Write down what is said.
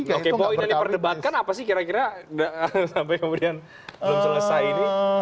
oke poin yang diperdebatkan apa sih kira kira sampai kemudian belum selesai ini